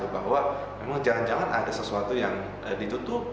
bahwa memang jangan jangan ada sesuatu yang ditutup